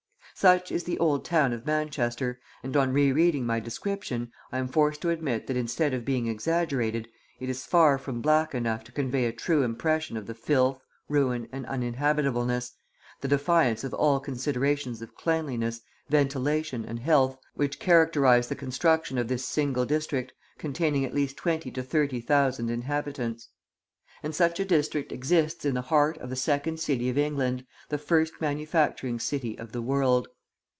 Such is the Old Town of Manchester, and on re reading my description, I am forced to admit that instead of being exaggerated, it is far from black enough to convey a true impression of the filth, ruin, and uninhabitableness, the defiance of all considerations of cleanliness, ventilation, and health which characterise the construction of this single district, containing at least twenty to thirty thousand inhabitants. And such a district exists in the heart of the second city of England, the first manufacturing city of the world.